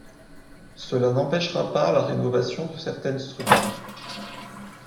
Cela n'empêchera pas la rénovation de certaines structures.